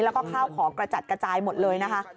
แล้วก็ข้าวของกระจัดกระจายหมดเลยนะคะ